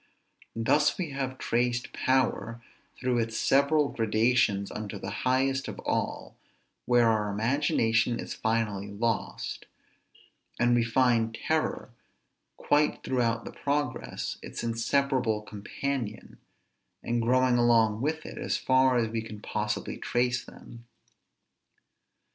Thus we have traced power through its several gradations unto the highest of all, where our imagination is finally lost; and we find terror, quite throughout the progress, its inseparable companion, and growing along with it, as far as we can possibly trace them.